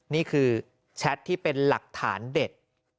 นี่คือแชทที่เป็นหลักฐานเด็ด